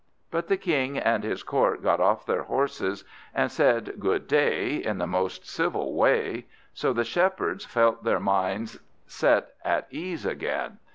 But the King and his Court got off their horses, and said good day in the most civil way. So the Shepherds felt their minds set at ease again.